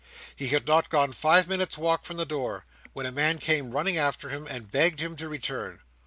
He had not gone five minutes' walk from the door, when a man came running after him, and begged him to return.